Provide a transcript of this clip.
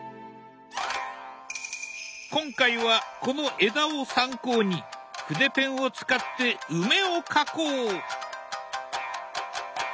今回はこの枝を参考に筆ペンを使って梅を描こう！